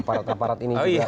aparat aparat ini juga